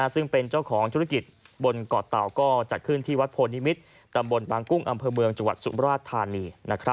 ซึ่งเป็นเจ้าของธุรกิจบนเกาะเต่าก็จัดขึ้นที่วัดโพนิมิตรตำบลบางกุ้งอำเภอเมืองจังหวัดสุมราชธานี